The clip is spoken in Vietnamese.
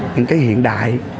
những cái hiện đại